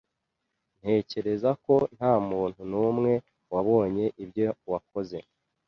Ntekereza ko ntamuntu numwe wabonye ibyo wakoze.